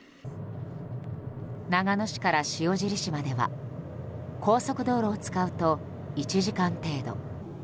長野市から塩尻市までは高速道路を使うと１時間程度。